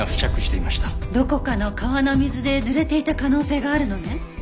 どこかの川の水で濡れていた可能性があるのね？